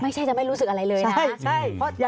ไม่ใช่จะไม่รู้สึกอะไรเลยนะคะ